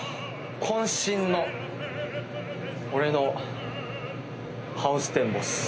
渾身の俺のハウステンボス。